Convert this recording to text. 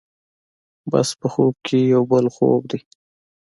بس په خوب کې یو بل خوب دی.